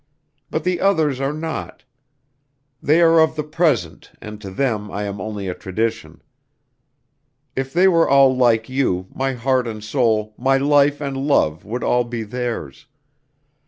But the others are not. They are of the present and to them I am only a tradition. If they were all like you, my heart and soul, my life and love would all be theirs.